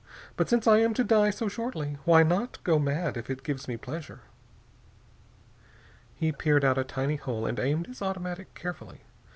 But since I am to die so shortly, why not go mad, if it gives me pleasure?" He peered out a tiny hole and aimed his automatic carefully.